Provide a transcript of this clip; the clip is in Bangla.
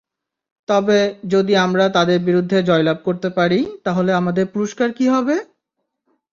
তবে যদি আমরা তাদের বিরুদ্ধে জয়লাভ করতে পারি, তাহলে আমাদের পুরস্কার কী হবে?